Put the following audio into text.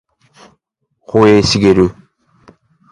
保栄茂